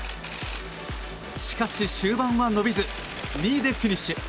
しかし、終盤は伸びず２位でフィニッシュ。